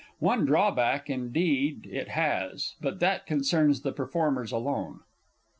One drawback, indeed, it has, but that concerns the performers alone.